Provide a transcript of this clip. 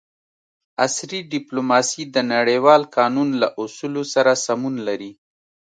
عصري ډیپلوماسي د نړیوال قانون له اصولو سره سمون لري